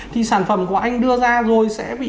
thì sản phẩm của anh đưa ra rồi sẽ bị